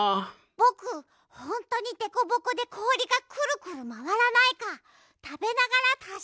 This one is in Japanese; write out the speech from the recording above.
ぼくほんとにでこぼこでこおりがくるくるまわらないかたべながらたしかめたい！